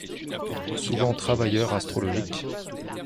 Souvent travailleur astrologique.